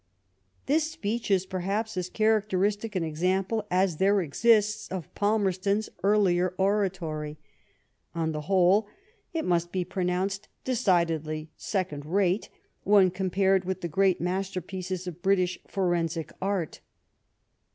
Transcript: '^ This speech is perhaps as characteristic an example as there exists of Palmerston's earlier oratory. On LORD PALMEB8T0N AND TORYISM, 29 the whole, it must be pronounced decidedly second rate when compared with the great masterpieces of British forensic art.